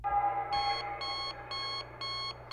د ویده اولس تر کوره هنګامه له کومه راوړو.